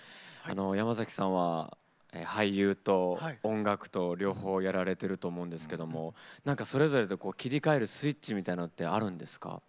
山崎さんは俳優と音楽と両方やられてると思うんですけどもそれぞれで切り替えるスイッチみたいのってあるんですか？